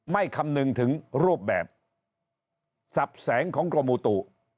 คำนึงถึงรูปแบบสับแสงของกรมอุตุ